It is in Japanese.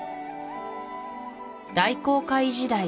大航海時代